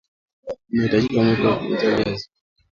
Utahitaji Mwiko wa kugeuzia viazi